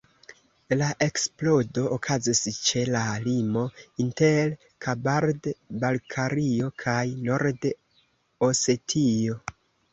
La eksplodo okazis ĉe la limo inter Kabard-Balkario kaj Nord-Osetio.